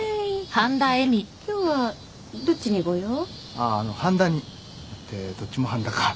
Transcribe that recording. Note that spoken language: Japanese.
あああの半田にってどっちも半田か。